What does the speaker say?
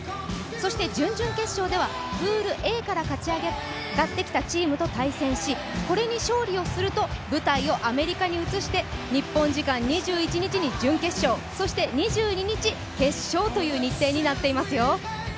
そして準々決勝ではプールＡから勝ち上がってきたチームと対戦しこれに勝利をすると舞台をアメリカに移して日本時間２１日に準決勝、そして２２日、決勝という日程になっていますよ。